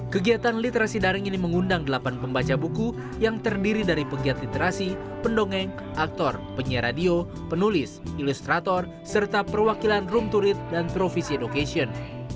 kegiatan literasi daring ini mengundang delapan pembaca buku yang terdiri dari pegiat literasi pendongeng aktor penyiar radio penulis ilustrator serta perwakilan room to reate dan televisi education